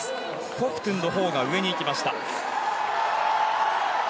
コフトゥンのほうが上にいきました。